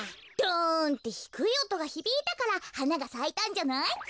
ドンってひくいおとがひびいたからはながさいたんじゃない？